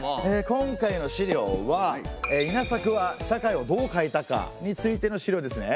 今回の資料は「稲作は社会をどう変えたか？」についての資料ですね。